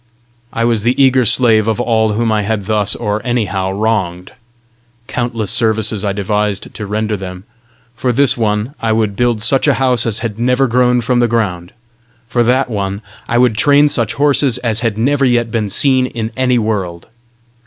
I was the eager slave of all whom I had thus or anyhow wronged. Countless services I devised to render them! For this one I would build such a house as had never grown from the ground! for that one I would train such horses as had never yet been seen in any world!